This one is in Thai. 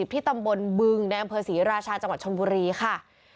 ที่ตำบลบึงในอำเภอศรีราชาจังหวัดชนบุรีค่ะ